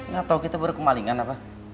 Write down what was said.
gak tau kita berkemalingan apa